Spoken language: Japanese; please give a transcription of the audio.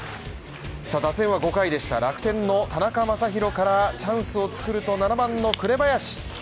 打線は５回でした、楽天の田中将大からチャンスを作ると７番の紅林。